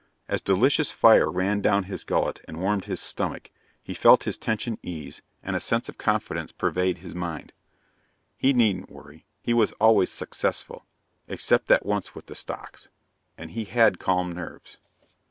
As delicious fire ran down his gullet and warmed his stomach, he felt his tension ease and a sense of confidence pervade his mind. He needn't worry. He was always successful, except that once with the stocks. And he had calm nerves.